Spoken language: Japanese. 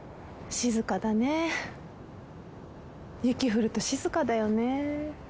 「静かだね雪降ると静かだよね」